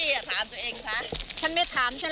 อย่าทำเลย